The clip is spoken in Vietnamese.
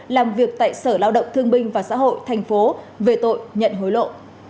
làm việc tại sở lao động thương binh và xã hội tp đn về tội nhận hối lộ